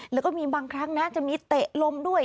แล้วก็มีบางครั้งนะจะมีเตะลมด้วย